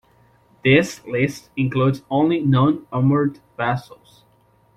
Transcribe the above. This list includes only non-armoured vessels.